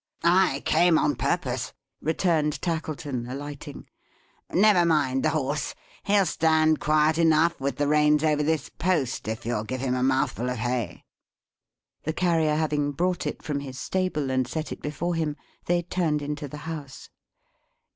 "I came on purpose," returned Tackleton, alighting. "Never mind the horse. He'll stand quiet enough, with the reins over this post, if you'll give him a mouthful of hay." The Carrier having brought it from his stable and set it before him, they turned into the house.